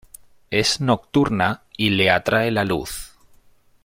Es nocturna, y le atrae la luz.